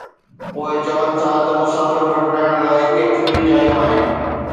پوءِ چون ٿا ته مسافر وٽ رهڻ لاءِ ڪيتريون ئي جايون آهن